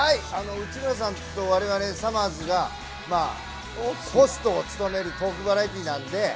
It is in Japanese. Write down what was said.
内村さんと我々さまぁずがホストを務めるトークバラエティーです。